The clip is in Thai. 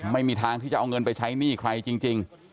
ไม่มีทางที่จะเอาเงินไปใช้หนี้ใครจริง